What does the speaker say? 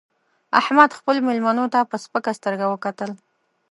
احمد خپلو مېلمنو ته په سپکه سترګه وکتل